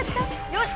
よし！